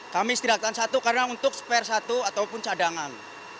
kami setidaknya satu karena untuk spare satu ataupun cadangan